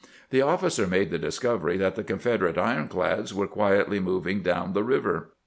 The officer made the discovery that the Confederate ironclads were quietly moving down the river.